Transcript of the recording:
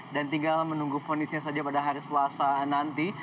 dan tinggal menunggu kondisinya saja pada hari selasa nanti